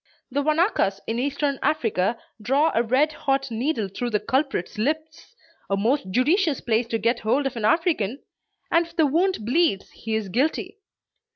The Wanakas in Eastern Africa, draw a red hot needle through the culprit's lips a most judicious place to get hold of an African! and if the wound bleeds, he is guilty.